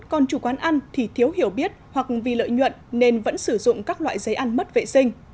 còn chủ quán ăn thì thiếu hiểu biết hoặc vì lợi nhuận nên vẫn sử dụng các loại giấy ăn mất vệ sinh